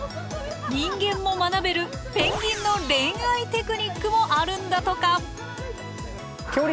人間も学べるペンギンの恋愛テクニックもあるんだとか。